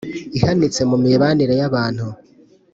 ihanitse mu mibanire y’abantu.